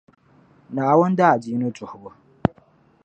Naawuni daadiini duhibu.